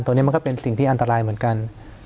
มันก็เป็นสิ่งที่อันตรายเหมือนกัน